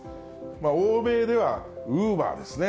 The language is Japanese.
欧米ではウーバーですね。